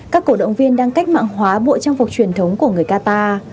các cổ động viên đang cách mạng hóa bộ trang phục truyền thống của người qatar